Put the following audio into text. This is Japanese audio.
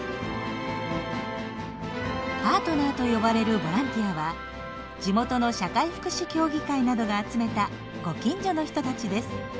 「パートナー」と呼ばれるボランティアは地元の社会福祉協議会などが集めたご近所の人たちです。